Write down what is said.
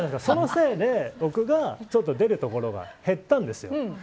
そのせいで僕が出るところが減ったんですよ。